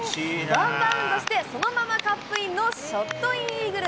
ワンバウンドして、そのままカップインのショットインイーグル。